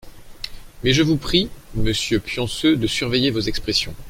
Mais je vous prie, monsieur Pionceux, de surveiller vos expressions.